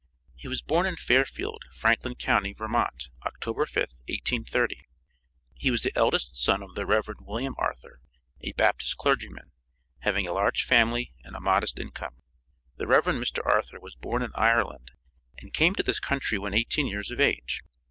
He was born in Fairfield, Franklin county, Vermont, October 5th, 1830. He was the eldest son of the Rev. William Arthur, a Baptist clergyman, having a large family and a modest income. The Rev. Mr. Arthur was born in Ireland, and came to this country when eighteen years of age.